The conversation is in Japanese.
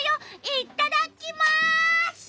いっただきます！